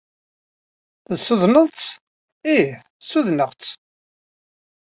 Tessudneḍ-tt? Ih, ssudneɣ-tt.